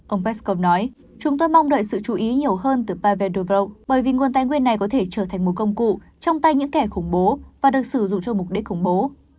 ông peskov nói chúng tôi mong đợi sự chú ý nhiều hơn từ pavendubro bởi vì nguồn tài nguyên này có thể trở thành một công cụ trong tay những kẻ khủng bố và được sử dụng cho mục đích khủng bố